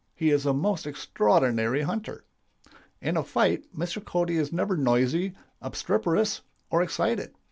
He is a most extraordinary hunter. "In a fight, Mr. Cody is never noisy, obstreperous, or excited.